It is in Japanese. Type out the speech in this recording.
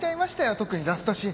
特にラストシーン。